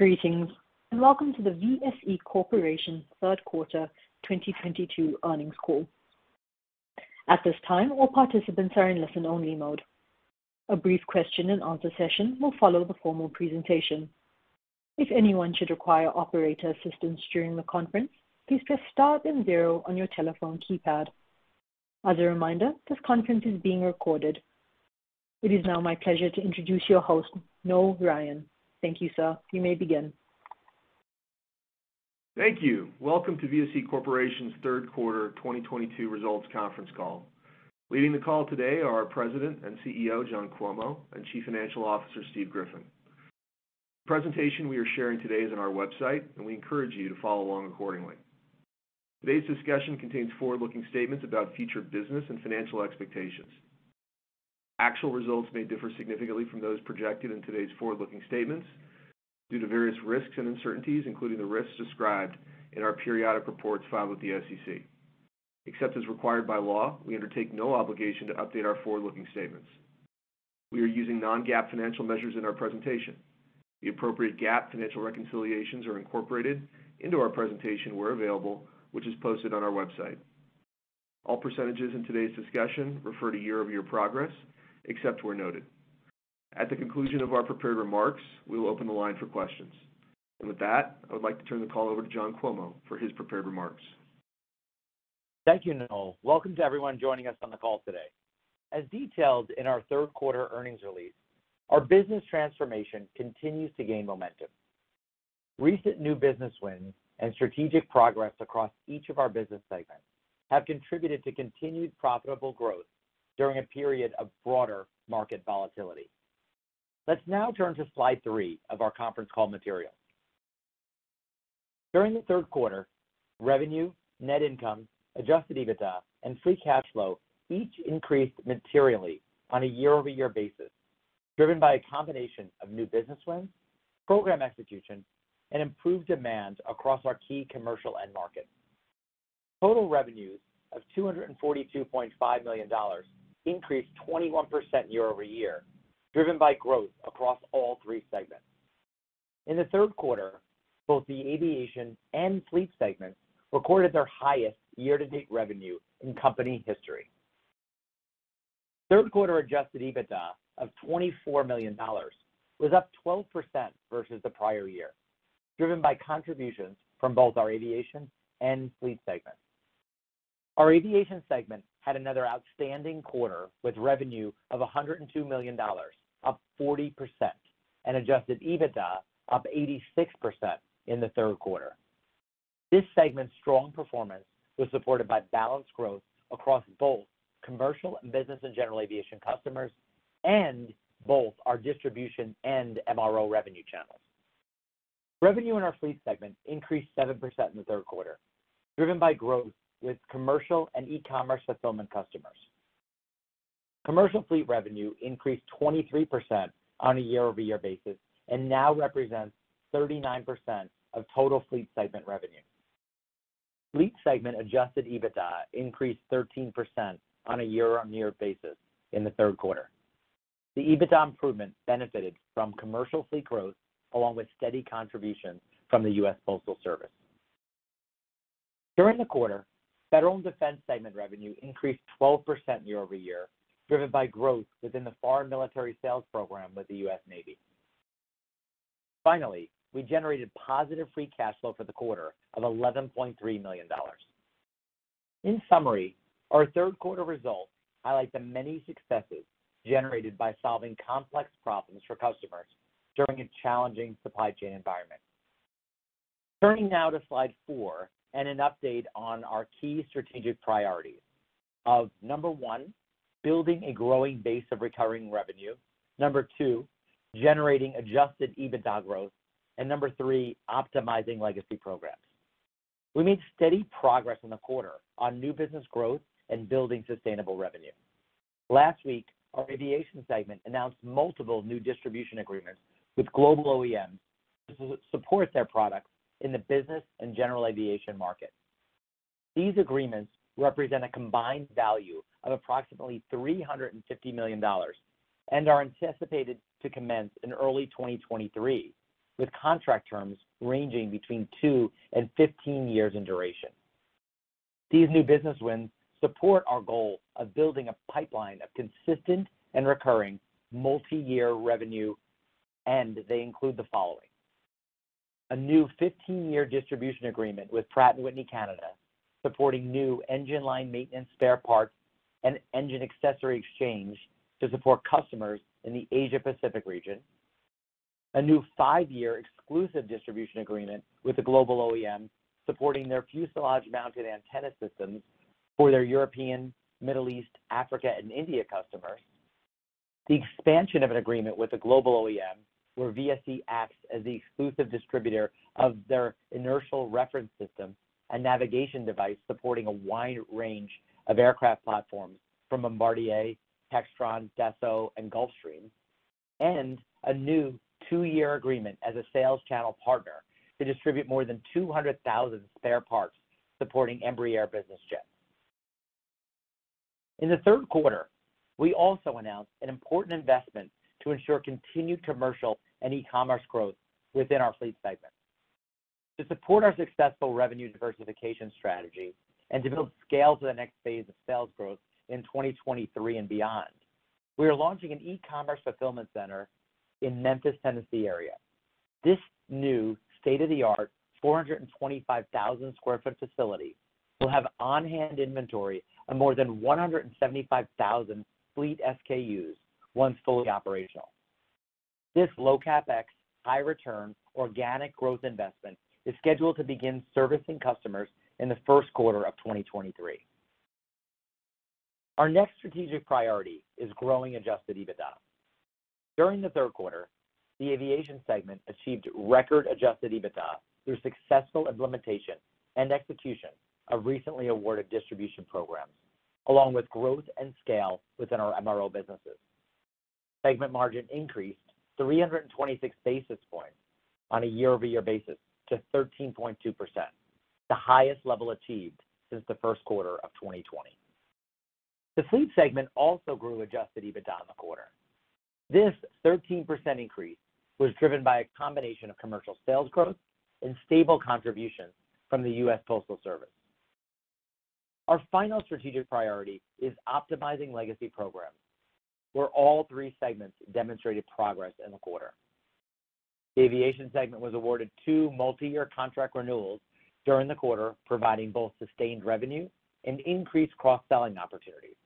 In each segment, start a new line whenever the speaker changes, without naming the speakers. Greetings and welcome to the VSE Corporation third quarter 2022 earnings call. At this time, all participants are in listen-only mode. A brief question and answer session will follow the formal presentation. If anyone should require operator assistance during the conference, please press star then zero on your telephone keypad. As a reminder, this conference is being recorded. It is now my pleasure to introduce your host, Noel Ryan. Thank you, sir. You may begin.
Thank you. Welcome to VSE Corporation's third quarter 2022 results conference call. Leading the call today are our President and CEO, John Cuomo, and Chief Financial Officer, Steve Griffin. The presentation we are sharing today is on our website, and we encourage you to follow along accordingly. Today's discussion contains forward-looking statements about future business and financial expectations. Actual results may differ significantly from those projected in today's forward-looking statements due to various risks and uncertainties, including the risks described in our periodic reports filed with the SEC. Except as required by law, we undertake no obligation to update our forward-looking statements. We are using non-GAAP financial measures in our presentation. The appropriate GAAP financial reconciliations are incorporated into our presentation where available, which is posted on our website. All percentages in today's discussion refer to year-over-year progress, except where noted. At the conclusion of our prepared remarks, we will open the line for questions. With that, I would like to turn the call over to John Cuomo for his prepared remarks.
Thank you, Noel. Welcome to everyone joining us on the call today. As detailed in our third quarter earnings release, our business transformation continues to gain momentum. Recent new business wins and strategic progress across each of our business segments have contributed to continued profitable growth during a period of broader market volatility. Let's now turn to slide three of our conference call material. During the third quarter, revenue, net income, Adjusted EBITDA, and free cash flow each increased materially on a year-over-year basis, driven by a combination of new business wins, program execution, and improved demand across our key commercial end markets. Total revenues of $242.5 million increased 21% year-over-year, driven by growth across all three segments. In the third quarter, both the aviation and Fleet segments recorded their highest year-to-date revenue in company history. Third quarter Adjusted EBITDA of $24 million was up 12% versus the prior year, driven by contributions from both our aviation and Fleet segments. Our aviation segment had another outstanding quarter, with revenue of $102 million, up 40%, and adjusted EBITDA up 86% in the third quarter. This segment's strong performance was supported by balanced growth across both commercial and business and general aviation customers and both our distribution and MRO revenue channels. Revenue in our Fleet segment increased 7% in the third quarter, driven by growth with commercial and e-commerce fulfillment customers. Commercial Fleet revenue increased 23% on a year-over-year basis and now represents 39% of total Fleet segment revenue. Fleet segment Adjusted EBITDA increased 13% on a year-over-year basis in the third quarter. The EBITDA improvement benefited from commercial Fleet growth, along with steady contributions from the US Postal Service. During the quarter, federal and defense segment revenue increased 12% year-over-year, driven by growth within the foreign military sales program with the U.S. Navy. Finally, we generated positive free cash flow for the quarter of $11.3 million. In summary, our third quarter results highlight the many successes generated by solving complex problems for customers during a challenging supply chain environment. Turning now to slide four and an update on our key strategic priorities of number one, building a growing base of recurring revenue, number two, generating Adjusted EBITDA growth, and number three, optimizing legacy programs. We made steady progress in the quarter on new business growth and building sustainable revenue. Last week, our aviation segment announced multiple new distribution agreements with global OEMs to support their products in the business and general aviation market. These agreements represent a combined value of approximately $350 million and are anticipated to commence in early 2023, with contract terms ranging between two and 15 years in duration. These new business wins support our goal of building a pipeline of consistent and recurring multi-year revenue, and they include the following. A new 15-year distribution agreement with Pratt & Whitney Canada, supporting new engine line maintenance spare parts and engine accessory exchange to support customers in the Asia Pacific region. A new five-year exclusive distribution agreement with a global OEM supporting their fuselage-mounted antenna systems for their European, Middle East, Africa, and India customers. The expansion of an agreement with a global OEM where VSE acts as the exclusive distributor of their inertial reference system and navigation device, supporting a wide range of aircraft platforms from Bombardier, Textron, Dassault, and Gulfstream. A new two-year agreement as a sales channel partner to distribute more than 200,000 spare parts supporting Embraer Executive Jets. In the third quarter, we also announced an important investment to ensure continued commercial and e-commerce growth within our Fleet segment. To support our successful revenue diversification strategy and to build scale to the next phase of sales growth in 2023 and beyond, we are launching an e-commerce fulfillment center in Memphis, Tennessee area. This new state-of-the-art 425,000 sq ft facility will have on-hand inventory of more than 175,000 Fleet SKUs once fully operational. This low CapEx, high return, organic growth investment is scheduled to begin servicing customers in the first quarter of 2023. Our next strategic priority is growing Adjusted EBITDA. During the third quarter, the aviation segment achieved record Adjusted EBITDA through successful implementation and execution of recently awarded distribution programs, along with growth and scale within our MRO businesses. Segment margin increased 326 basis points on a year-over-year basis to 13.2%, the highest level achieved since the first quarter of 2020. The Fleet segment also grew Adjusted EBITDA in the quarter. This 13% increase was driven by a combination of commercial sales growth and stable contributions from the US Postal Service. Our final strategic priority is optimizing legacy programs, where all three segments demonstrated progress in the quarter. The aviation segment was awarded two multi-year contract renewals during the quarter, providing both sustained revenue and increased cross-selling opportunities.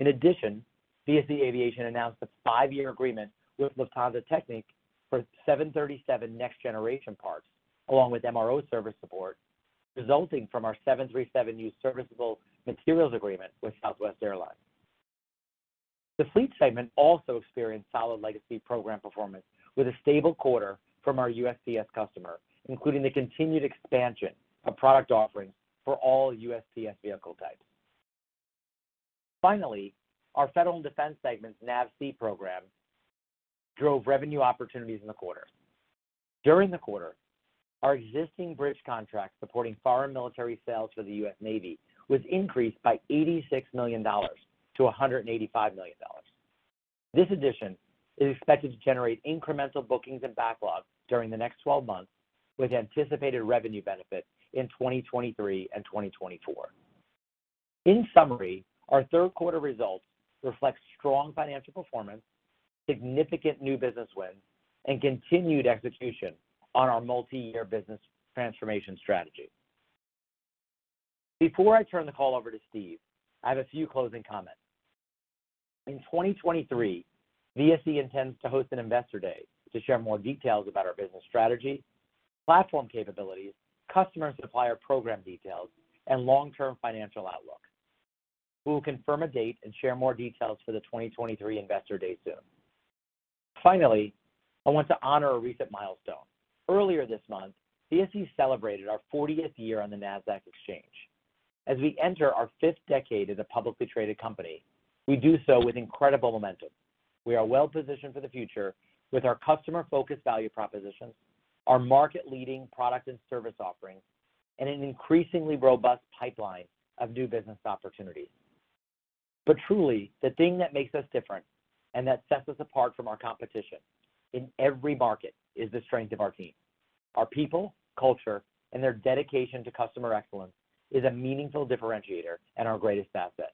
In addition, VSE Aviation announced a five-year agreement with Lufthansa Technik for 737 Next Generation parts, along with MRO service support, resulting from our 737 Used Serviceable Materials agreement with Southwest Airlines. The Fleet segment also experienced solid legacy program performance with a stable quarter from our USPS customer, including the continued expansion of product offerings for all USPS vehicle types. Finally, our federal and defense segment's NAVSEA program drove revenue opportunities in the quarter. During the quarter, our existing bridge contract supporting Foreign Military Sales for the U.S. Navy was increased by $86 million to $185 million. This addition is expected to generate incremental bookings and backlogs during the next 12 months with anticipated revenue benefits in 2023 and 2024. In summary, our third quarter results reflect strong financial performance, significant new business wins, and continued execution on our multi-year business transformation strategy. Before I turn the call over to Steve, I have a few closing comments. In 2023, VSE intends to host an investor day to share more details about our business strategy, platform capabilities, customer and supplier program details, and long-term financial outlook. We will confirm a date and share more details for the 2023 Investor Day soon. Finally, I want to honor a recent milestone. Earlier this month, VSE celebrated our 40th year on the Nasdaq exchange. As we enter our fifth decade as a publicly traded company, we do so with incredible momentum. We are well positioned for the future with our customer-focused value propositions, our market-leading product and service offerings, and an increasingly robust pipeline of new business opportunities. Truly, the thing that makes us different and that sets us apart from our competition in every market is the strength of our team. Our people, culture, and their dedication to customer excellence is a meaningful differentiator and our greatest asset.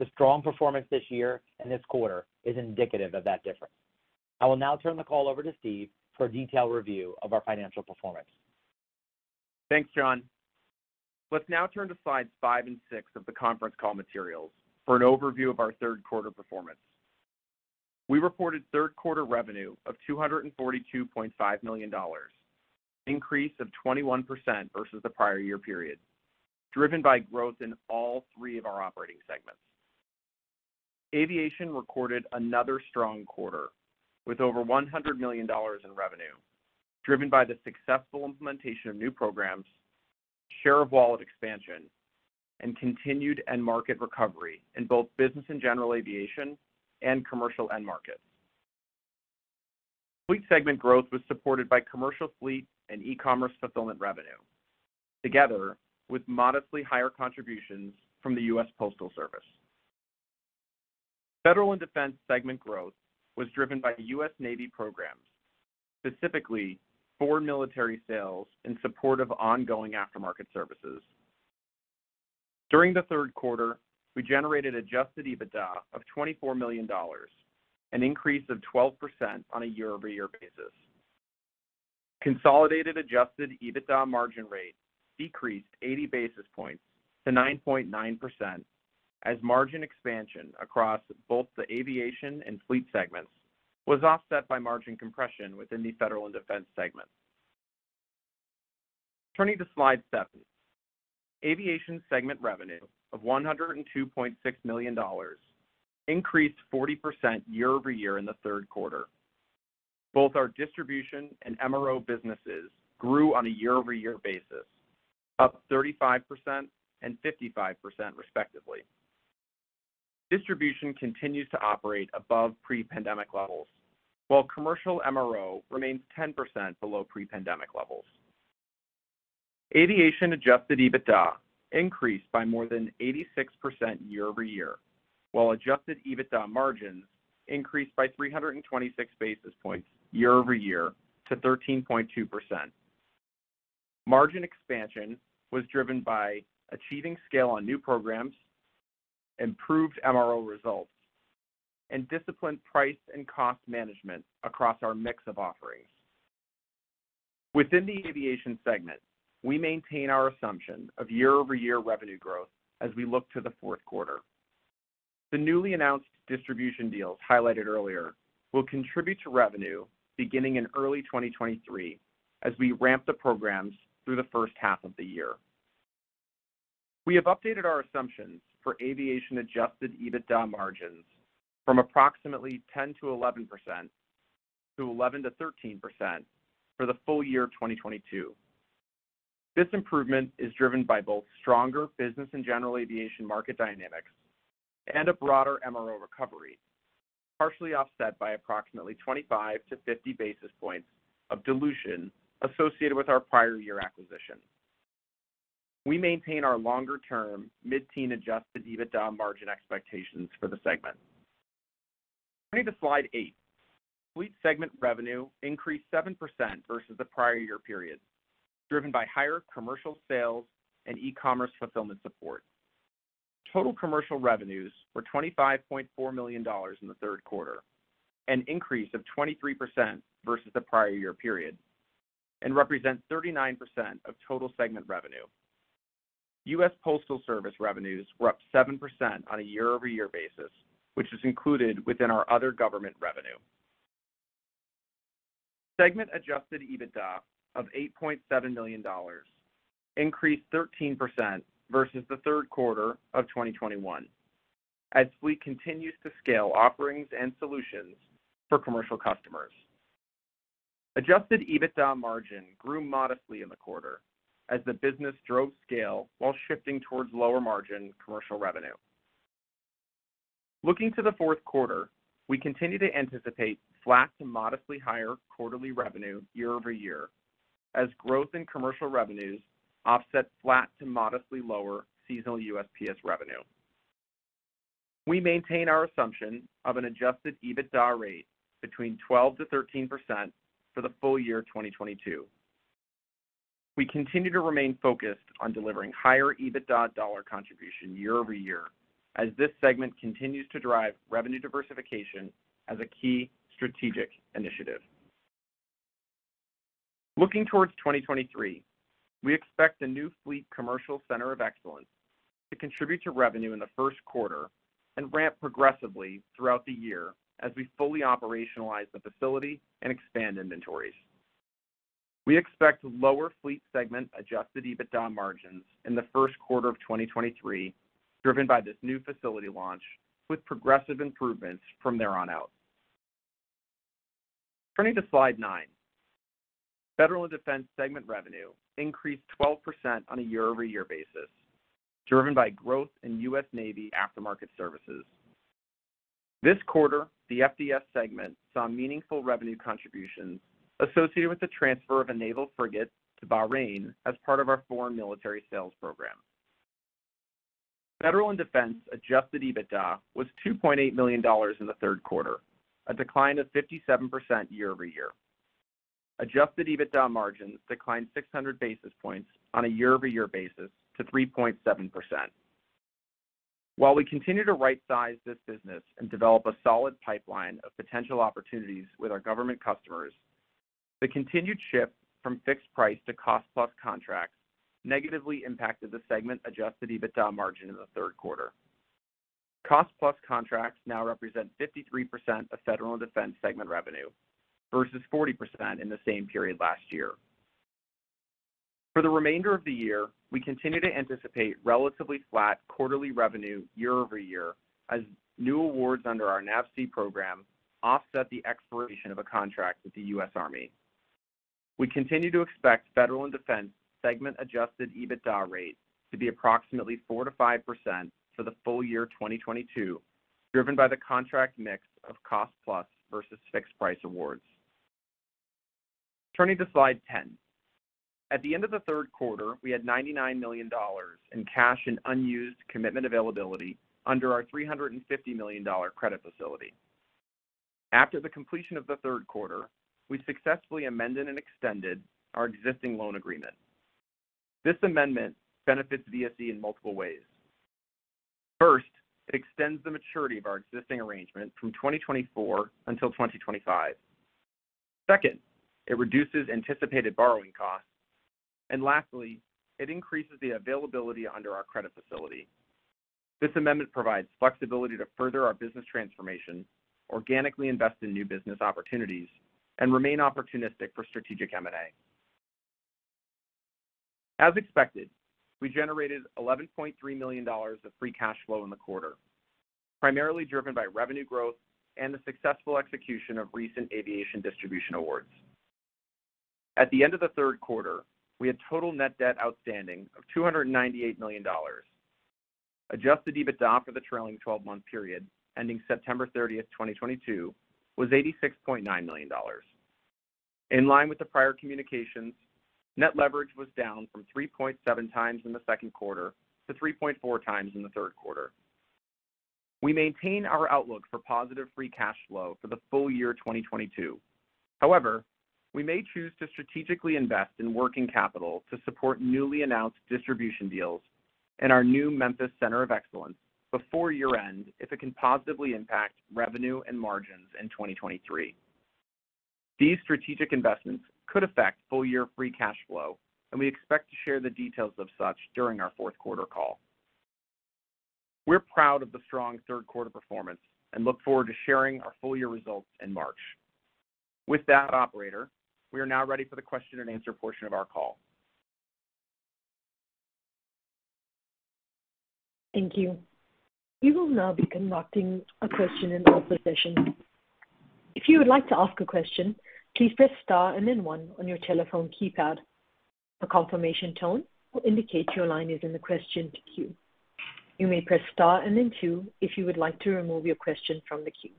The strong performance this year and this quarter is indicative of that difference. I will now turn the call over to Steve for a detailed review of our financial performance.
Thanks, John. Let's now turn to slides five and six of the conference call materials for an overview of our third quarter performance. We reported third quarter revenue of $242.5 million, an increase of 21% versus the prior year period, driven by growth in all three of our operating segments. Aviation recorded another strong quarter with over $100 million in revenue, driven by the successful implementation of new programs, share of wallet expansion, and continued end market recovery in both business and general aviation and commercial end markets. Fleet segment growth was supported by commercial Fleet and e-commerce fulfillment revenue, together with modestly higher contributions from the US Postal Service. Federal and Defense segment growth was driven by U.S. Navy programs, specifically Foreign Military Sales in support of ongoing aftermarket services. During the third quarter, we generated Adjusted EBITDA of $24 million, an increase of 12% on a year-over-year basis. Consolidated Adjusted EBITDA margin rate decreased 80 basis points to 9.9% as margin expansion across both the aviation and Fleet segments was offset by margin compression within the federal and defense segment. Turning to slide seven. Aviation segment revenue of $102.6 million increased 40% year-over-year in the third quarter. Both our distribution and MRO businesses grew on a year-over-year basis, up 35% and 55% respectively. Distribution continues to operate above pre-pandemic levels, while commercial MRO remains 10% below pre-pandemic levels. Aviation Adjusted EBITDA increased by more than 86% year-over-year, while Adjusted EBITDA margins increased by 326 basis points year-over-year to 13.2%. Margin expansion was driven by achieving scale on new programs, improved MRO results, and disciplined price and cost management across our mix of offerings. Within the aviation segment, we maintain our assumption of year-over-year revenue growth as we look to the fourth quarter. The newly announced distribution deals highlighted earlier will contribute to revenue beginning in early 2023 as we ramp the programs through the first half of the year. We have updated our assumptions for aviation Adjusted EBITDA margins from approximately 10%-11% to 11%-13% for the full year of 2022. This improvement is driven by both stronger business and general aviation market dynamics and a broader MRO recovery, partially offset by approximately 25-50 basis points of dilution associated with our prior year acquisition. We maintain our longer-term mid-teen Adjusted EBITDA margin expectations for the segment. Turning to slide eight. Fleet segment revenue increased 7% versus the prior year period, driven by higher commercial sales and e-commerce fulfillment support. Total commercial revenues were $25.4 million in the third quarter, an increase of 23% versus the prior year period, and represents 39% of total segment revenue. US Postal Service revenues were up 7% on a year-over-year basis, which is included within our other government revenue. Segment Adjusted EBITDA of $8.7 million increased 13% versus the third quarter of 2021 as Fleet continues to scale offerings and solutions for commercial customers. Adjusted EBITDA margin grew modestly in the quarter as the business drove scale while shifting towards lower margin commercial revenue. Looking to the fourth quarter, we continue to anticipate flat to modestly higher quarterly revenue year-over-year as growth in commercial revenues offset flat to modestly lower seasonal USPS revenue. We maintain our assumption of an Adjusted EBITDA rate between 12%-13% for the full year of 2022. We continue to remain focused on delivering higher EBITDA dollar contribution year-over-year as this segment continues to drive revenue diversification as a key strategic initiative. Looking towards 2023, we expect the new Fleet commercial Center of Excellence to contribute to revenue in the first quarter and ramp progressively throughout the year as we fully operationalize the facility and expand inventories. We expect lower Fleet segment Adjusted EBITDA margins in the first quarter of 2023, driven by this new facility launch with progressive improvements from there on out. Turning to slide nine. Federal and Defense segment revenue increased 12% on a year-over-year basis, driven by growth in U.S. Navy aftermarket services. This quarter, the FDS segment saw meaningful revenue contributions associated with the transfer of a naval frigate to Bahrain as part of our Foreign Military Sales program. Federal and Defense Adjusted EBITDA was $2.8 million in the third quarter, a decline of 57% year-over-year. Adjusted EBITDA margins declined 600 basis points on a year-over-year basis to 3.7%. While we continue to right-size this business and develop a solid pipeline of potential opportunities with our government customers, the continued shift from fixed price to cost-plus contracts negatively impacted the segment Adjusted EBITDA margin in the third quarter. Cost-plus contracts now represent 53% of Federal and Defense segment revenue versus 40% in the same period last year. For the remainder of the year, we continue to anticipate relatively flat quarterly revenue year-over-year as new awards under our NAVSEA program offset the expiration of a contract with the U.S. Army. We continue to expect Federal and Defense segment Adjusted EBITDA rate to be approximately 4%-5% for the full year of 2022, driven by the contract mix of cost-plus versus fixed price awards. Turning to slide 10. At the end of the third quarter, we had $99 million in cash and unused commitment availability under our $350 million credit facility. After the completion of the third quarter, we successfully amended and extended our existing loan agreement. This amendment benefits VSE in multiple ways. First, it extends the maturity of our existing arrangement from 2024 until 2025. Second, it reduces anticipated borrowing costs. Lastly, it increases the availability under our credit facility. This amendment provides flexibility to further our business transformation, organically invest in new business opportunities, and remain opportunistic for strategic M&A. As expected, we generated $11.3 million of free cash flow in the quarter, primarily driven by revenue growth and the successful execution of recent aviation distribution awards. At the end of the third quarter, we had total net debt outstanding of $298 million. Adjusted EBITDA for the trailing 12-month period ending September 30, 2022 was $86.9 million. In line with the prior communications, net leverage was down from 3.7x in the second quarter to 3.4x in the third quarter. We maintain our outlook for positive free cash flow for the full year 2022. However, we may choose to strategically invest in working capital to support newly announced distribution deals in our new Memphis Center of Excellence before year-end if it can positively impact revenue and margins in 2023. These strategic investments could affect full year free cash flow, and we expect to share the details of such during our fourth quarter call. We're proud of the strong third quarter performance and look forward to sharing our full year results in March. With that, operator, we are now ready for the question and answer portion of our call.
Thank you. We will now be conducting a question and answer session. If you would like to ask a question, please press star and then one on your telephone keypad. A confirmation tone will indicate your line is in the question queue. You may press star and then two if you would like to remove your question from the queue.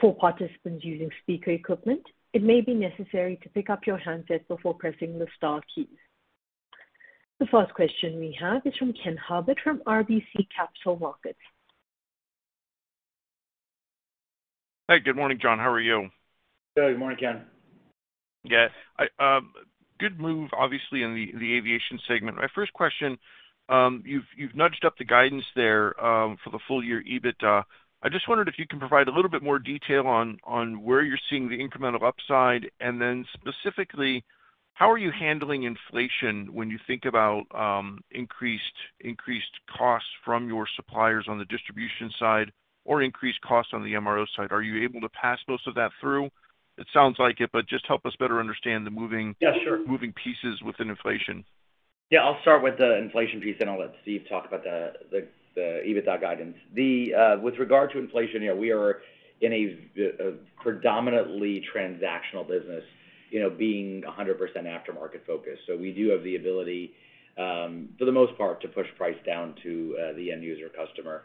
For participants using speaker equipment, it may be necessary to pick up your handset before pressing the star key. The first question we have is from Kenneth Herbert from RBC Capital Markets.
Hey, good morning, John. How are you?
Good morning, Ken.
Yeah. Good move, obviously in the aviation segment. My first question, you've nudged up the guidance there for the full year EBITDA. I just wondered if you can provide a little bit more detail on where you're seeing the incremental upside, and then specifically, how are you handling inflation when you think about increased costs from your suppliers on the distribution side or increased costs on the MRO side? Are you able to pass most of that through? It sounds like it, but just help us better understand the moving-
Yeah, sure.
Moving pieces within inflation.
Yeah. I'll start with the inflation piece, then I'll let Steve talk about the EBITDA guidance. With regard to inflation, you know, we are in a predominantly transactional business, you know, being 100% aftermarket focused. So we do have the ability, for the most part, to push price down to the end user customer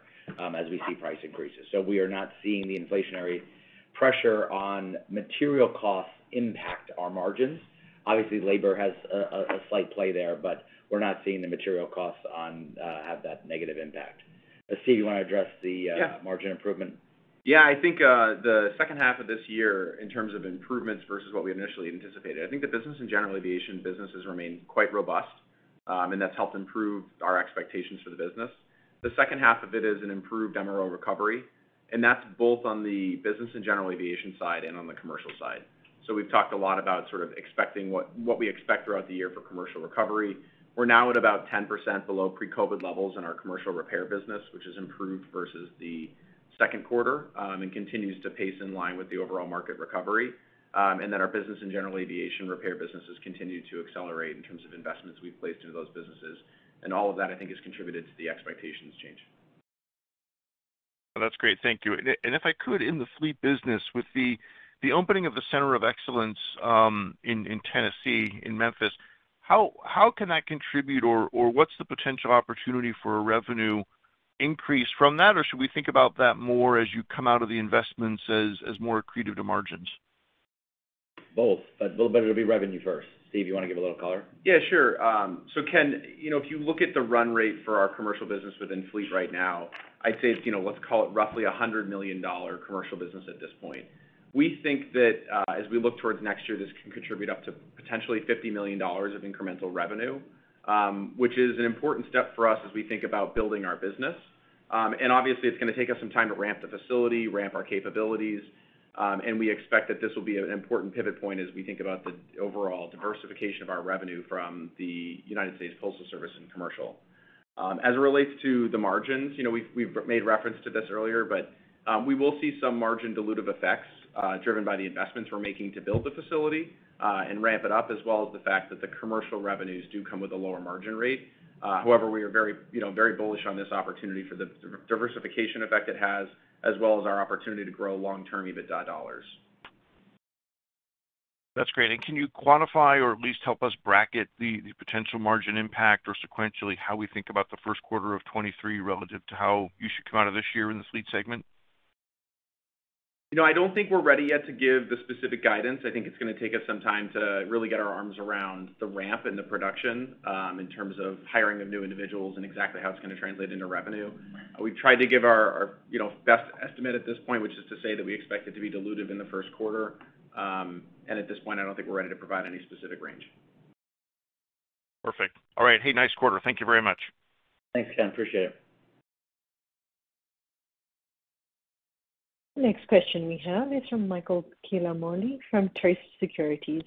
as we see price increases. So we are not seeing the inflationary pressure on material costs impact our margins. Obviously, labor has a slight play there, but we're not seeing the material costs have that negative impact. Let's see. You wanna address the-
Yeah.
Margin improvement?
Yeah. I think the second half of this year in terms of improvements versus what we initially anticipated, I think the business and general aviation businesses remain quite robust, and that's helped improve our expectations for the business. The second half of it is an improved MRO recovery, and that's both on the business and general aviation side and on the commercial side. We've talked a lot about sort of expecting what we expect throughout the year for commercial recovery. We're now at about 10% below pre-COVID levels in our commercial repair business, which has improved versus the second quarter, and continues to pace in line with the overall market recovery. Our business and general aviation repair businesses continue to accelerate in terms of investments we've placed into those businesses. All of that, I think, has contributed to the expectations change.
That's great. Thank you. If I could, in the Fleet business with the opening of the Center of Excellence in Tennessee in Memphis, how can that contribute or what's the potential opportunity for revenue increase from that? Or should we think about that more as you come out of the investments as more accretive to margins?
Both. It'll be revenue first. Steve, you wanna give a little color?
Yeah, sure. Ken, you know, if you look at the run rate for our commercial business within Fleet right now, I'd say it's, you know, let's call it roughly $100 million commercial business at this point. We think that as we look towards next year, this can contribute up to potentially $50 million of incremental revenue, which is an important step for us as we think about building our business. Obviously it's gonna take us some time to ramp the facility, ramp our capabilities, and we expect that this will be an important pivot point as we think about the overall diversification of our revenue from the United States Postal Service and commercial. As it relates to the margins, you know, we've made reference to this earlier, but we will see some margin dilutive effects, driven by the investments we're making to build the facility, and ramp it up, as well as the fact that the commercial revenues do come with a lower margin rate. However, we are very, you know, very bullish on this opportunity for the diversification effect it has, as well as our opportunity to grow long-term EBITDA dollars.
That's great. Can you quantify or at least help us bracket the potential margin impact or sequentially how we think about the first quarter of 2023 relative to how you should come out of this year in this Fleet segment?
You know, I don't think we're ready yet to give the specific guidance. I think it's gonna take us some time to really get our arms around the ramp and the production, in terms of hiring of new individuals and exactly how it's gonna translate into revenue. We've tried to give our you know, best estimate at this point, which is to say that we expect it to be dilutive in the first quarter. At this point, I don't think we're ready to provide any specific range.
Perfect. All right. Hey, nice quarter. Thank you very much.
Thanks, Ken. Appreciate it.
Next question we have is from Michael Ciarmoli from Truist Securities.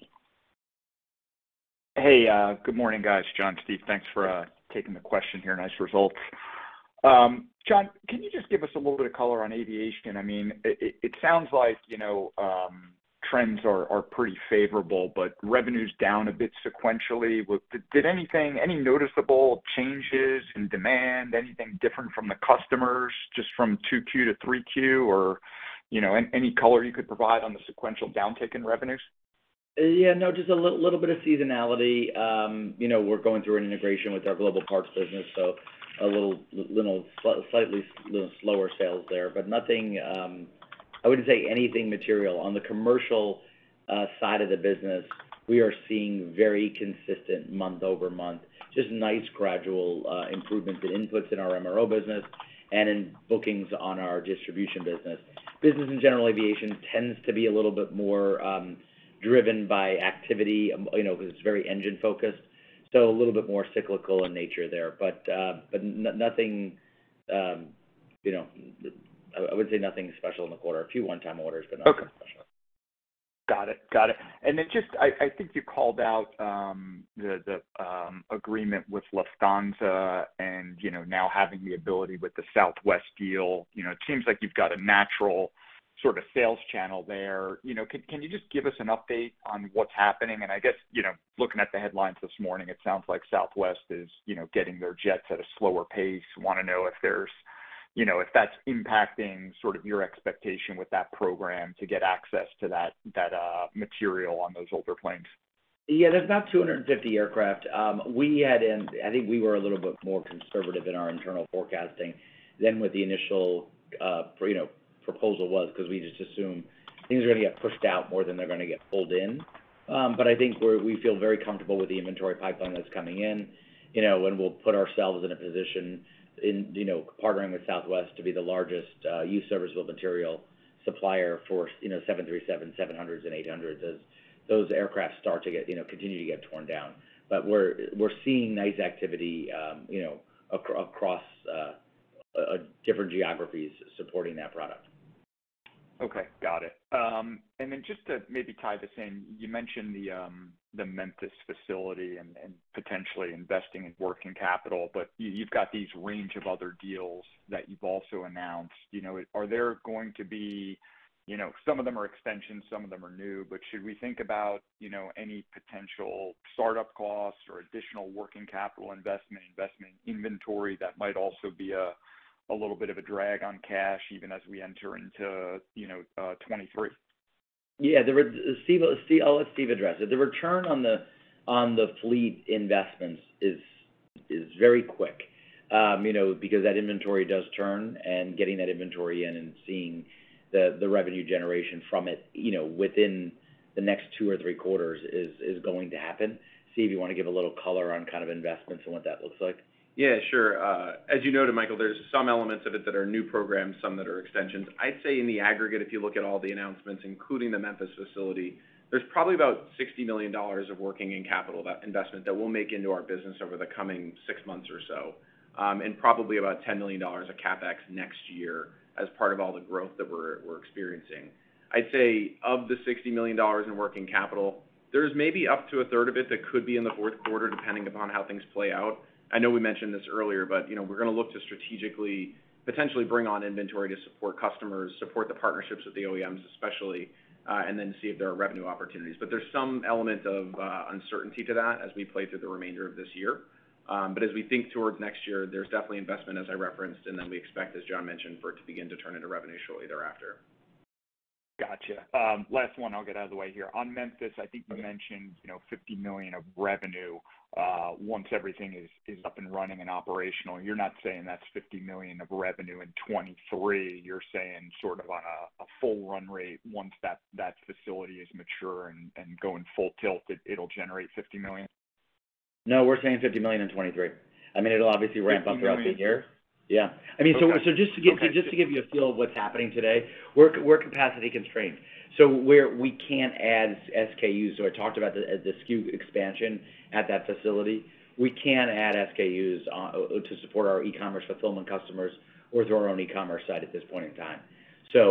Hey, good morning, guys. John, Steve, thanks for taking the question here. Nice results. John, can you just give us a little bit of color on aviation? I mean, it sounds like, you know, trends are pretty favorable, but revenue's down a bit sequentially. Did any noticeable changes in demand, anything different from the customers, just from 2Q to 3Q or, you know, any color you could provide on the sequential downtick in revenues?
Yeah. No, just a little bit of seasonality. You know, we're going through an integration with our global parts business, so slightly slower sales there, but nothing. I wouldn't say anything material. On the commercial side of the business, we are seeing very consistent month-over-month, just nice gradual improvements in inputs in our MRO business and in bookings on our distribution business. Business and general aviation tends to be a little bit more driven by activity, you know, because it's very engine-focused, so a little bit more cyclical in nature there. Nothing, you know, I would say nothing special in the quarter. A few one-time orders, but nothing special.
Okay. Got it. I think you called out the agreement with Lufthansa and you know, now having the ability with the Southwest deal, you know, it seems like you've got a natural sort of sales channel there. You know, can you just give us an update on what's happening? I guess, you know, looking at the headlines this morning, it sounds like Southwest is you know, getting their jets at a slower pace. Want to know if there's you know, if that's impacting sort of your expectation with that program to get access to that material on those older planes.
Yeah, there's about 250 aircraft. I think we were a little bit more conservative in our internal forecasting than what the initial proposal was, because we just assumed things are gonna get pushed out more than they're gonna get pulled in. We feel very comfortable with the inventory pipeline that's coming in, you know, and we'll put ourselves in a position, you know, partnering with Southwest to be the largest used serviceable material supplier for 737, 700s, and 800s as those aircraft start to get, you know, continue to get torn down. We're seeing nice activity, you know, across different geographies supporting that product.
Okay, got it. Just to maybe tie this in, you mentioned the Memphis facility and potentially investing in working capital, but you've got this range of other deals that you've also announced. Some of them are extensions, some of them are new, but should we think about you know, any potential startup costs or additional working capital investment, inventory that might also be a little bit of a drag on cash even as we enter into you know, 2023?
Steve, I'll let Steve address it. The return on the Fleet investments is very quick, you know, because that inventory does turn, and getting that inventory in and seeing the revenue generation from it, you know, within the next two or three quarters is going to happen. Steve, you want to give a little color on kind of investments and what that looks like?
Yeah, sure. As you noted, Michael, there's some elements of it that are new programs, some that are extensions. I'd say in the aggregate, if you look at all the announcements, including the Memphis facility, there's probably about $60 million of working and capital investment that we'll make into our business over the coming six months or so, and probably about $10 million of CapEx next year as part of all the growth that we're experiencing. I'd say of the $60 million in working capital, there's maybe up to a third of it that could be in the fourth quarter, depending upon how things play out. I know we mentioned this earlier, but you know, we're gonna look to strategically, potentially bring on inventory to support customers, support the partnerships with the OEMs especially, and then see if there are revenue opportunities. There's some element of uncertainty to that as we play through the remainder of this year. As we think towards next year, there's definitely investment, as I referenced, and then we expect, as John mentioned, for it to begin to turn into revenue shortly thereafter.
Gotcha. Last one, I'll get out of the way here. On Memphis, I think you mentioned, you know, $50 million of revenue once everything is up and running and operational. You're not saying that's $50 million of revenue in 2023. You're saying sort of on a full run rate once that facility is mature and going full tilt, it'll generate $50 million?
No, we're saying $50 million in 2023. I mean, it'll obviously ramp up throughout the year.
$50 million.
Yeah. I mean.
Okay.
Just to give you.
Okay.
Just to give you a feel of what's happening today, we're capacity constrained, so we can't add SKUs. I talked about the SKU expansion at that facility. We can add SKUs to support our e-commerce fulfillment customers or through our own e-commerce site at this point in time.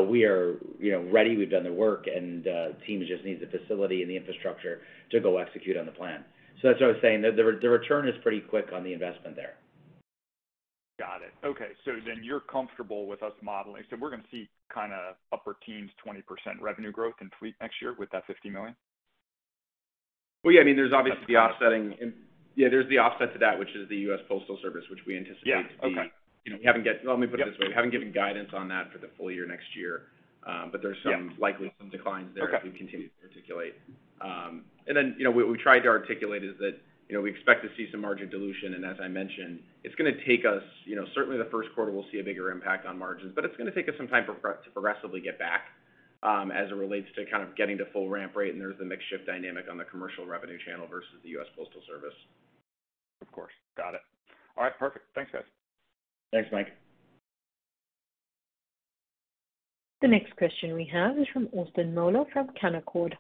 We are, you know, ready. We've done the work, and the team just needs the facility and the infrastructure to go execute on the plan. That's why I was saying the return is pretty quick on the investment there.
Got it. Okay. You're comfortable with us modeling? We're gonna see kinda upper teens, 20% revenue growth in Fleet next year with that $50 million?
Well, yeah, I mean, there's the offset to that, which is the US Postal Service, which we anticipate to be-
Yeah. Okay.
You know, let me put it this way.
Yep.
We haven't given guidance on that for the full year next year, but there's some-
Yeah.
Likely some declines there.
Okay
As we continue to articulate. You know, what we tried to articulate is that, you know, we expect to see some margin dilution. As I mentioned, it's gonna take us certainly the first quarter we'll see a bigger impact on margins, but it's gonna take us some time progressively get back, as it relates to kind of getting to full ramp rate, and there's the mix shift dynamic on the commercial revenue channel versus the US Postal Service.
Of course. Got it. All right, perfect. Thanks, guys.
Thanks, Mike.
The next question we have is from Austin Mollo from Canaccord.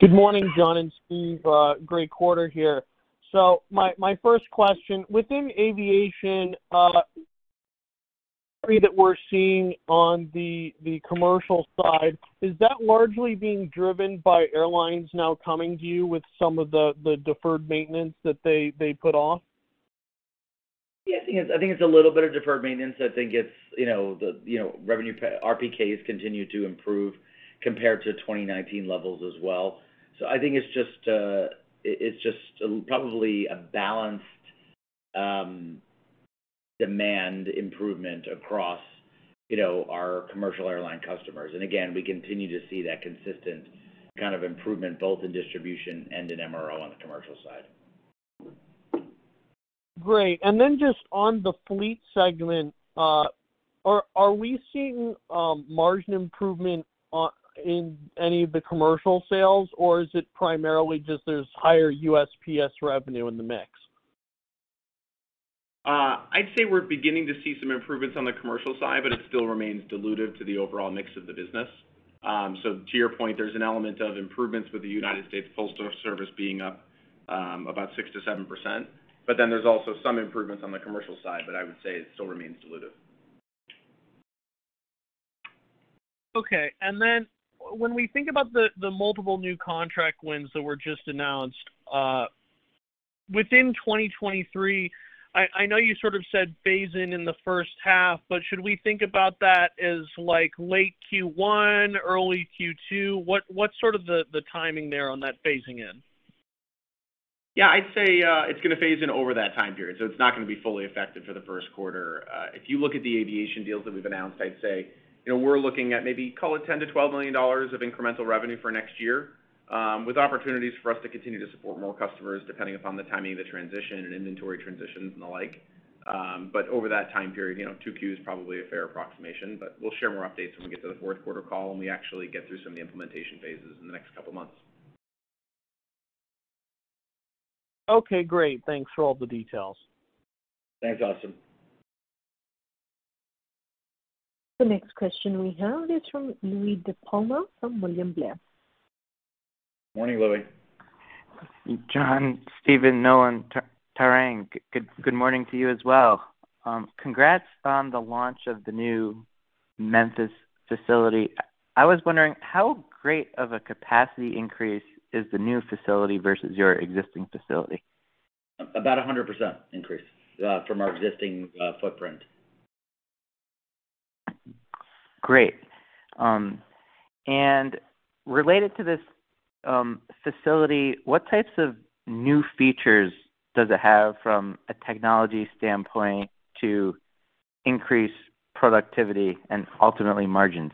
Good morning, John and Steve. Great quarter here. My first question, within aviation, that we're seeing on the commercial side, is that largely being driven by airlines now coming to you with some of the deferred maintenance that they put off?
Yes, I think it's a little bit of deferred maintenance. I think it's you know RPKs continue to improve compared to 2019 levels as well. I think it's just it's just probably a balanced demand improvement across you know our commercial airline customers. Again, we continue to see that consistent kind of improvement both in distribution and in MRO on the commercial side.
Great. Just on the Fleet segment, are we seeing margin improvement in any of the commercial sales, or is it primarily just there's higher USPS revenue in the mix?
I'd say we're beginning to see some improvements on the commercial side, but it still remains dilutive to the overall mix of the business. To your point, there's an element of improvements with the United States Postal Service being up, about 6%-7%. There's also some improvements on the commercial side, but I would say it still remains dilutive.
Okay. When we think about the multiple new contract wins that were just announced within 2023, I know you sort of said phase in in the first half, but should we think about that as, like, late Q1, early Q2? What's sort of the timing there on that phasing in?
Yeah. I'd say, it's gonna phase in over that time period, so it's not gonna be fully effective for the first quarter. If you look at the aviation deals that we've announced, I'd say, you know, we're looking at maybe call it $10 million-$12 million of incremental revenue for next year, with opportunities for us to continue to support more customers, depending upon the timing of the transition and inventory transitions and the like. But over that time period, you know, 2Q is probably a fair approximation, but we'll share more updates when we get to the fourth quarter call and we actually get through some of the implementation phases in the next couple of months.
Okay, great. Thanks for all the details.
Thanks, Austin.
The next question we have is from Louie DiPalma from William Blair.
Morning, Louie.
John, Steve, Nolan, Tarang, good morning to you as well. Congrats on the launch of the new Memphis facility. I was wondering how great of a capacity increase is the new facility versus your existing facility?
About 100% increase from our existing footprint.
Great. Related to this, facility, what types of new features does it have from a technology standpoint to increase productivity and ultimately margins?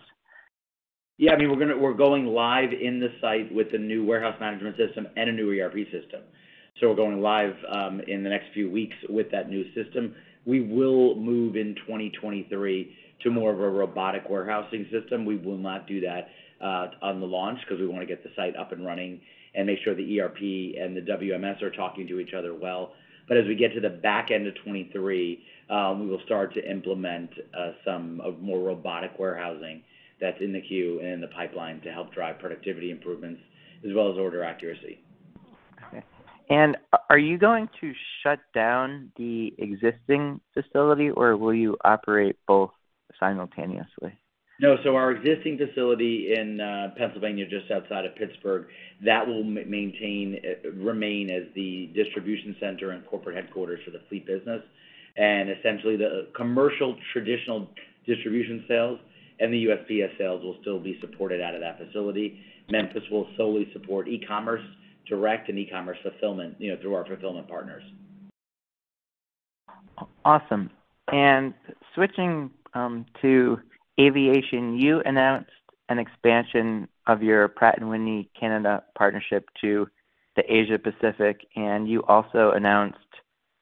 Yeah. I mean, we're going live in the site with a new warehouse management system and a new ERP system. We're going live in the next few weeks with that new system. We will move in 2023 to more of a robotic warehousing system. We will not do that on the launch 'cause we wanna get the site up and running and make sure the ERP and the WMS are talking to each other well. As we get to the back end of 2023, we will start to implement some more robotic warehousing that's in the queue and in the pipeline to help drive productivity improvements as well as order accuracy.
Okay. Are you going to shut down the existing facility, or will you operate both simultaneously?
No. Our existing facility in Pennsylvania, just outside of Pittsburgh, that will remain as the distribution center and corporate headquarters for the Fleet business. Essentially, the commercial traditional distribution sales and the USPS sales will still be supported out of that facility. Memphis will solely support e-commerce direct and e-commerce fulfillment, you know, through our fulfillment partners.
Awesome. Switching to aviation, you announced an expansion of your Pratt & Whitney Canada partnership to the Asia Pacific, and you also announced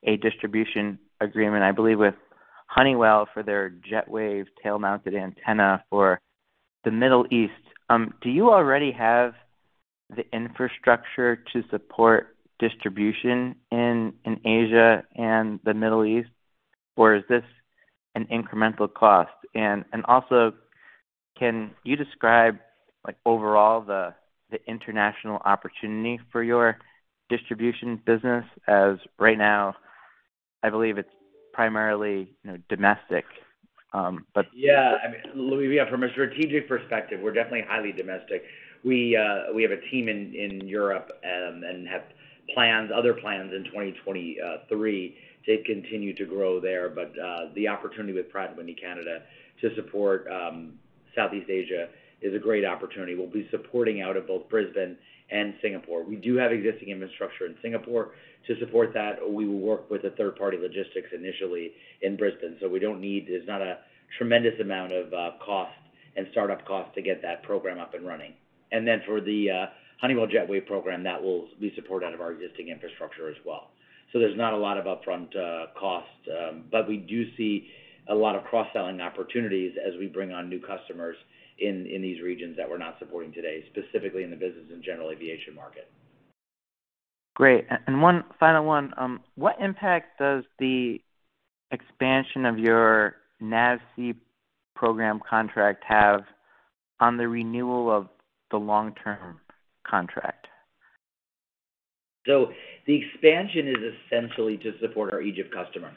a distribution agreement, I believe, with Honeywell for their JetWave tail-mounted antenna for the Middle East. Do you already have the infrastructure to support distribution in Asia and the Middle East, or is this an incremental cost? Also, can you describe, like, overall the international opportunity for your distribution business? As right now, I believe it's primarily, you know, domestic, but-
Yeah. I mean, Louie, yeah, from a strategic perspective, we're definitely highly domestic. We have a team in Europe and have plans, other plans in 2023 to continue to grow there. The opportunity with Pratt & Whitney Canada to support Southeast Asia is a great opportunity. We'll be supporting out of both Brisbane and Singapore. We do have existing infrastructure in Singapore to support that. We will work with a third-party logistics initially in Brisbane. We don't need. There's not a tremendous amount of cost and start-up cost to get that program up and running. Then for the Honeywell JetWave program, that will be supported out of our existing infrastructure as well. There's not a lot of upfront cost, but we do see a lot of cross-selling opportunities as we bring on new customers in these regions that we're not supporting today, specifically in the business and general aviation market.
Great. One final one. What impact does the expansion of your NAVSEA program contract have on the renewal of the long-term contract?
The expansion is essentially to support our Egypt customer.
Okay.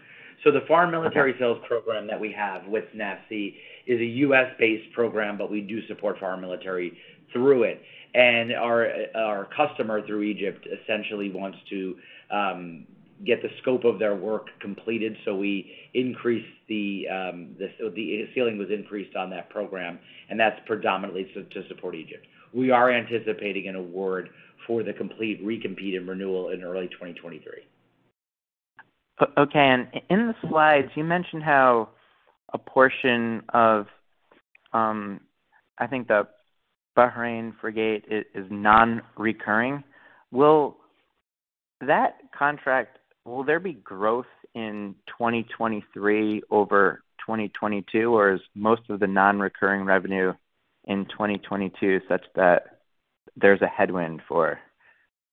The Foreign Military Sales program that we have with NAVSEA is a U.S.-based program, but we do support foreign military through it. Our customer through Egypt essentially wants to get the scope of their work completed, so the ceiling was increased on that program, and that's predominantly to support Egypt. We are anticipating an award for the complete recompeted renewal in early 2023.
Okay. In the slides, you mentioned how a portion of, I think, the Bahrain frigate is non-recurring. Will there be growth in 2023 over 2022, or is most of the non-recurring revenue in 2022 such that there's a headwind for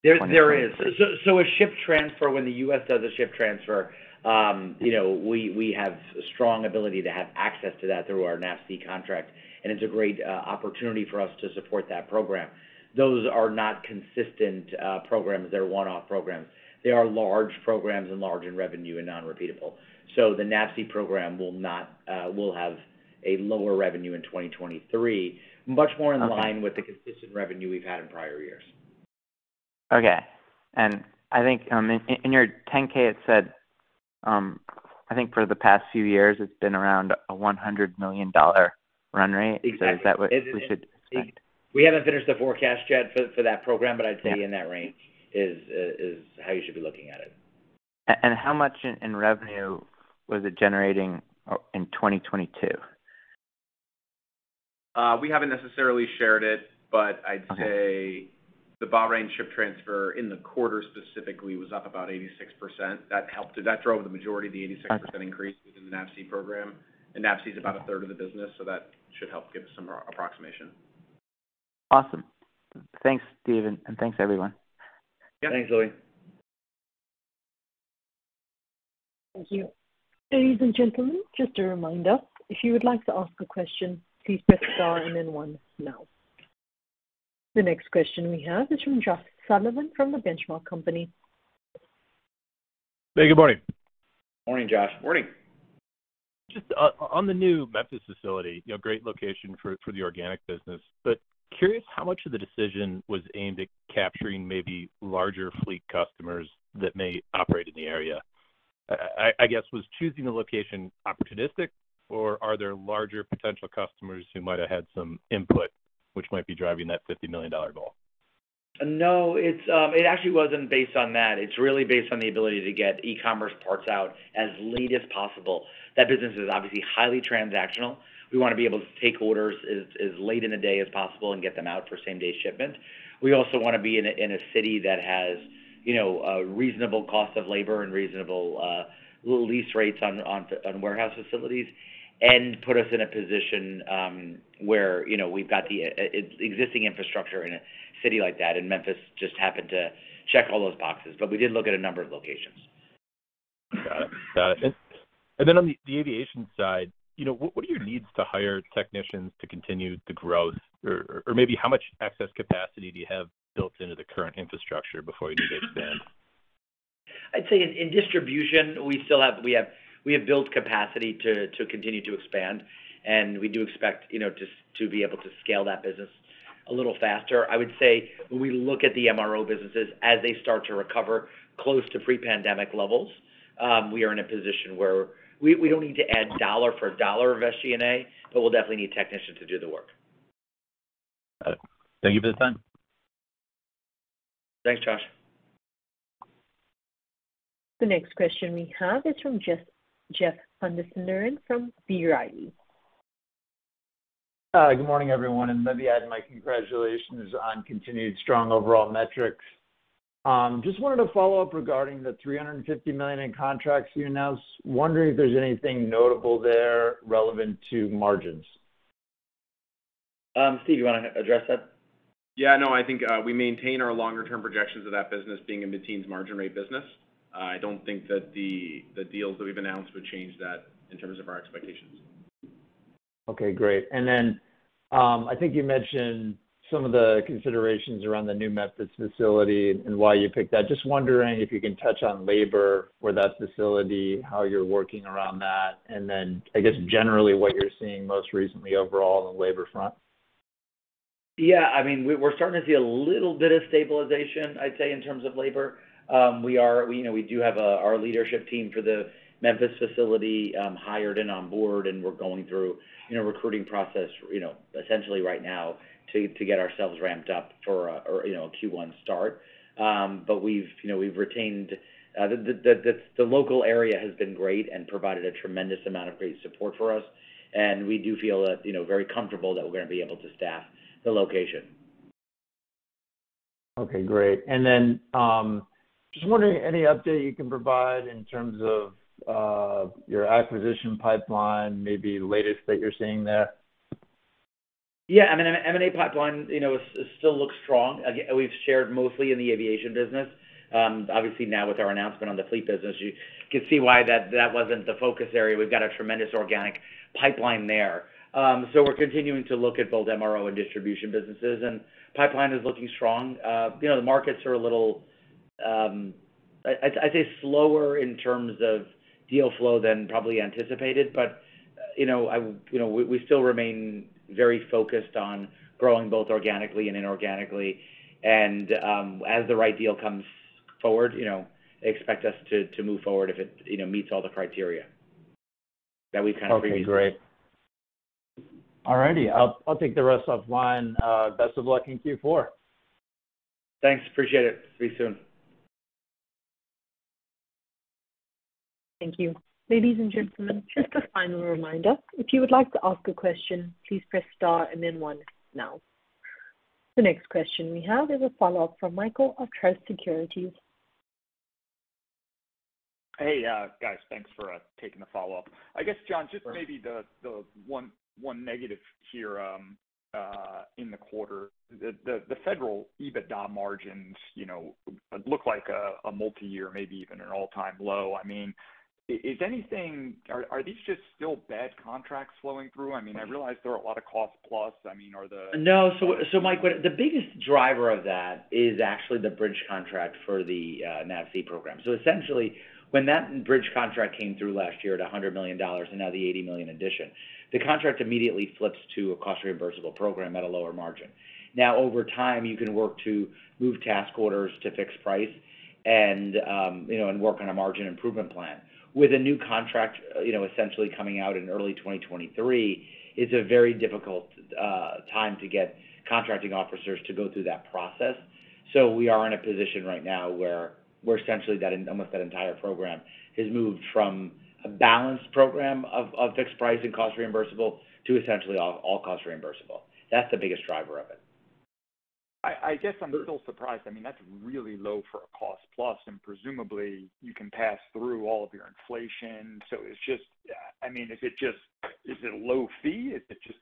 2023?
There is. A ship transfer, when the U.S. does a ship transfer, we have strong ability to have access to that through our NAVSEA contract, and it's a great opportunity for us to support that program. Those are not consistent programs. They're one-off programs. They are large programs and large in revenue and non-repeatable. The NAVSEA program will have a lower revenue in 2023. Much more.
Okay.
In line with the consistent revenue we've had in prior years.
Okay. I think in your 10-K it said, I think for the past few years, it's been around a $100 million run-rate.
Exactly.
Is that what we should expect?
We haven't finished the forecast yet for that program, but I'd say in that range is how you should be looking at it.
How much in revenue was it generating in 2022?
We haven't necessarily shared it, but I'd say the Bahrain ship transfer in the quarter specifically was up about 86%. That drove the majority of the 86% increase within the NAVSEA program. NAVSEA is about 1/3 of the business, so that should help give some approximation.
Awesome. Thanks, Steve, and thanks, everyone.
Yeah. Thanks, Louie.
Thank you. Ladies and gentlemen, just a reminder, if you would like to ask a question, please press star and then one now. The next question we have is from Josh Sullivan from The Benchmark Company.
Hey, good morning.
Morning, Josh.
Morning. Just on the new Memphis facility, you know, great location for the organic business. Curious how much of the decision was aimed at capturing maybe larger Fleet customers that may operate in the area. I guess was choosing the location opportunistic, or are there larger potential customers who might have had some input which might be driving that $50 million goal?
No, it's, it actually wasn't based on that. It's really based on the ability to get e-commerce parts out as late as possible. That business is obviously highly transactional. We wanna be able to take orders as late in the day as possible and get them out for same-day shipment. We also wanna be in a city that has, you know, a reasonable cost of labor and reasonable lease rates on warehouse facilities and put us in a position, where, you know, we've got the existing infrastructure in a city like that, and Memphis just happened to check all those boxes. We did look at a number of locations.
Got it. On the aviation side, you know, what are your needs to hire technicians to continue the growth? Or maybe how much excess capacity do you have built into the current infrastructure before you need to expand?
I'd say in distribution, we still have built capacity to continue to expand, and we do expect, you know, to be able to scale that business a little faster. I would say when we look at the MRO businesses as they start to recover close to pre-pandemic levels, we are in a position where we don't need to add dollar for dollar of SG&A, but we'll definitely need technicians to do the work.
Got it. Thank you for the time.
Thanks, Josh.
The next question we have is from Jeff Van Sinderen from B. Riley.
Good morning, everyone, and let me add my congratulations on continued strong overall metrics. Just wanted to follow up regarding the $350 million in contracts you announced. Wondering if there's anything notable there relevant to margins?
Steve, you wanna address that?
Yeah. No. I think we maintain our longer-term projections of that business being a mid-teens margin rate business. I don't think that the deals that we've announced would change that in terms of our expectations.
Okay, great. I think you mentioned some of the considerations around the new Memphis facility and why you picked that. Just wondering if you can touch on labor for that facility, how you're working around that, and then I guess generally what you're seeing most recently overall on the labor front.
Yeah. I mean, we're starting to see a little bit of stabilization, I'd say, in terms of labor. We are, you know, we do have our leadership team for the Memphis facility hired and on board, and we're going through, you know, recruiting process, you know, essentially right now to get ourselves ramped up for a, you know, a Q1 start. The local area has been great and provided a tremendous amount of great support for us, and we do feel, you know, very comfortable that we're gonna be able to staff the location.
Okay, great. Just wondering any update you can provide in terms of your acquisition pipeline, maybe latest that you're seeing there.
Yeah. I mean, M&A pipeline, you know, is still looks strong. And we've shared mostly in the aviation business. Obviously now with our announcement on the Fleet business, you know, can see why that wasn't the focus area. We've got a tremendous organic pipeline there. We're continuing to look at both MRO and distribution businesses, and pipeline is looking strong. You know, the markets are a little, I'd say slower in terms of deal flow than probably anticipated. You know, we still remain very focused on growing both organically and inorganically. As the right deal comes forward, you know, expect us to move forward if it, you know, meets all the criteria that we've kind of previously-
Okay, great. All righty. I'll take the rest offline. Best of luck in Q4.
Thanks. Appreciate it. Speak soon.
Thank you. Ladies and gentlemen, just a final reminder. If you would like to ask a question, please press star and then one now. The next question we have is a follow-up from Michael Ciarmoli of Truist Securities.
Hey, guys. Thanks for taking the follow-up. I guess, John, just maybe the one negative here in the quarter. The federal EBITDA margins, you know, look like a multi-year, maybe even an all-time low. I mean, is anything? Are these just still bad contracts flowing through? I mean, I realize there are a lot of cost-plus. I mean, are the-
No, Mike, the biggest driver of that is actually the bridge contract for the NAVSEA program. Essentially, when that bridge contract came through last year at $100 million and now the $80 million addition, the contract immediately flips to a cost reimbursable program at a lower margin. Now, over time, you can work to move task orders to fixed price and, you know, and work on a margin improvement plan. With a new contract, you know, essentially coming out in early 2023, it's a very difficult time to get contracting officers to go through that process. We are in a position right now where we're essentially almost that entire program has moved from a balanced program of fixed price and cost reimbursable to essentially all cost reimbursable. That's the biggest driver of it.
I guess I'm still surprised. I mean, that's really low for a cost-plus, and presumably you can pass through all of your inflation. It's just I mean, is it just, is it low fee? Is it just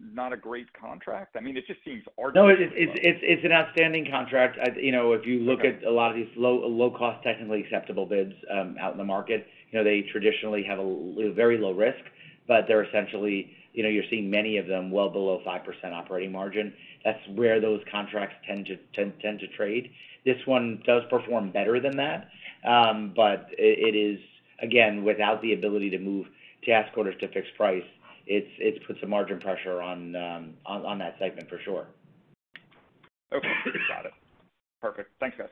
not a great contract? I mean, it just seems artificial.
No, it's an outstanding contract. As you know, if you look at a lot of these low cost, technically acceptable bids out in the market, you know, they traditionally have a very low risk, but they're essentially, you know, you're seeing many of them well below 5% operating margin. That's where those contracts tend to trade. This one does perform better than that. But it is, again, without the ability to move task orders to fixed price, it's put some margin pressure on that segment for sure.
Okay. Got it. Perfect. Thanks, guys.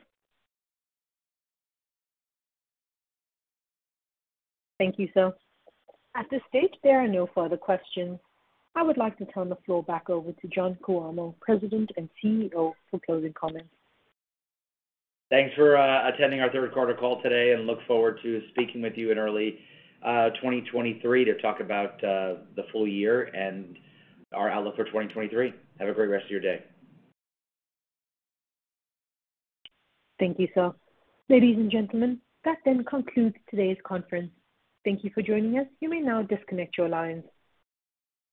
Thank you, sir. At this stage, there are no further questions. I would like to turn the floor back over to John Cuomo, President and CEO, for closing comments.
Thanks for attending our third quarter call today, and look forward to speaking with you in early 2023 to talk about the full year and our outlook for 2023. Have a great rest of your day.
Thank you, sir. Ladies and gentlemen, that concludes today's conference. Thank you for joining us. You may now disconnect your lines.